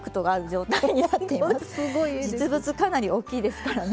実物かなり大きいですからね。